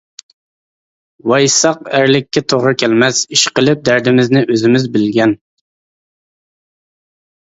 ۋايسىساق ئەرلىككە توغرا كەلمەس؟ ئىش قىلىپ دەردىمىزنى ئۆزىمىز بىلگەن.